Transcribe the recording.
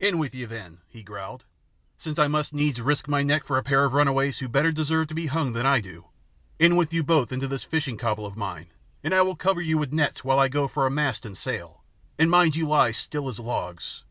"In with you, then," he growled, "since I must needs risk my neck for a pair of runaways who better deserve to be hung than I do. In with you both into this fishing cobble of mine, and I will cover you with nets while I go for a mast and sail, and mind you lie as still as logs.